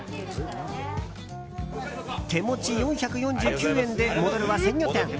手持ち４４９円で、戻るは鮮魚店。